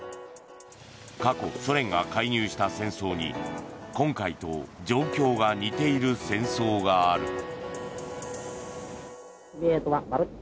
過去、ソ連が介入した戦争に今回と状況が似ている戦争がある。